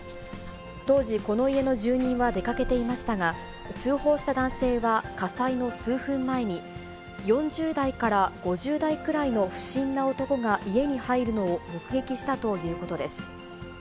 当時、この家の住人は出かけていましたが、通報した男性は火災の数分前に、４０代から５０代くらいの不審な男が、家に入るのを目撃したということです。